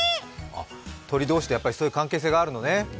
鳥同士って、そういう関係性があるのね。